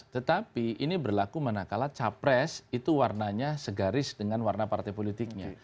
tetapi ini berlaku manakala capres itu warnanya segaris dengan warna partai politiknya